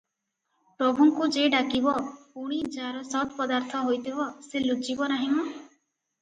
ପ୍ରଭୁଙ୍କୁ ଯେ ଡାକିବ ପୁଣି ଯାର ସତ୍ପଦାର୍ଥ ହୋଇଥିବ ସେ ଲୁଚିବନାହିଁ ମ?